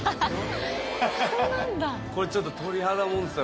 これちょっと鳥肌もんですわ。